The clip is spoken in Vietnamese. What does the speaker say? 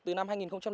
từ năm hai nghìn tám